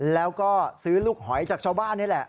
แล้วก็ซื้อลูกหอยจากชาวบ้านนี่แหละ